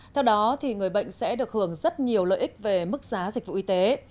theo đó người bệnh sẽ được hưởng rất nhiều lợi ích về mức giá dịch vụ y tế